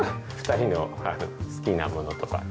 ２人の好きなものとか。